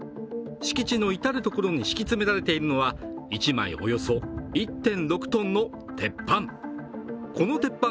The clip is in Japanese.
敷地の至る所に敷き詰められているのは１枚およそ１．６ｔの鉄板。